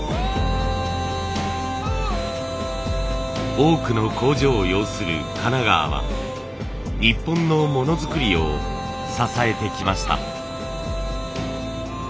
多くの工場を擁する神奈川は日本のものづくりを支えてきました。